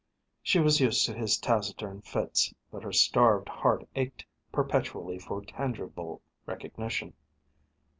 She was used to his taciturn fits, but her starved heart ached perpetually for tangible recognition.